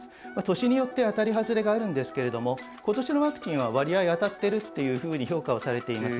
年によって当たり外れがあるんですけれども今年のワクチンは割合当たってるというふうに評価をされています。